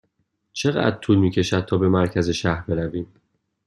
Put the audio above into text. چقدر طول می کشد تا به مرکز شهر برویم؟